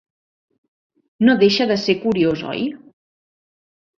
No deixa de ser curiós, oi?